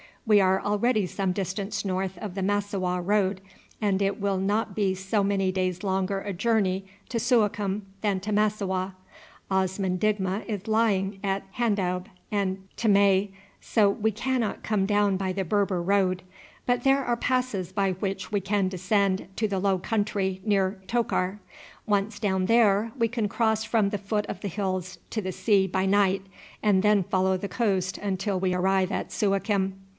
We are already some distance north of the Massowah road, and it will not be so many days longer a journey to Suakim than to Massowah. Osman Digma is lying at Handoub and Tamai, so we cannot come down by the Berber road; but there are passes by which we can descend to the low country near Tokar. Once down there we can cross from the foot of the hills to the sea by night, and then follow the coast until we arrive at Suakim."